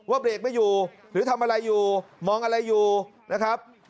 เบรกไม่อยู่หรือทำอะไรอยู่มองอะไรอยู่นะครับ